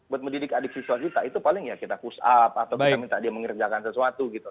buat mendidik adik siswa kita itu paling ya kita push up atau kita minta dia mengerjakan sesuatu gitu